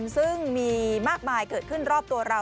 ซึ่งมีมากมายเกิดขึ้นรอบตัวเรา